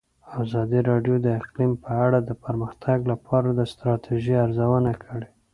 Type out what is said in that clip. ازادي راډیو د اقلیم په اړه د پرمختګ لپاره د ستراتیژۍ ارزونه کړې.